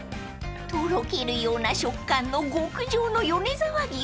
［とろけるような食感の極上の米沢牛］